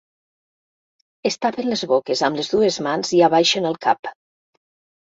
Es tapen les boques amb les dues mans i abaixen el cap.